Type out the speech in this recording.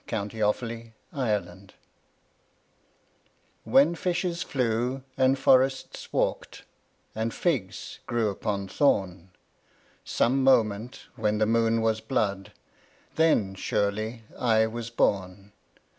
K. Chesterton The Donkey W HEN fishes flew and forests walked And figs grew upon thorn, Some moment when the moon was blood Then surely I was born.